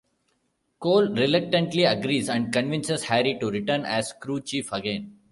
Cole reluctantly agrees and convinces Harry to return as crew chief again.